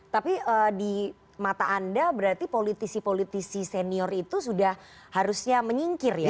tapi di mata anda berarti politisi politisi senior itu sudah harusnya menyingkir ya